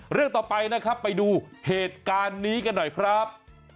เรื่องต่อไปนะครับไปดูเหตุการณ์นี้กันหน่อยครับ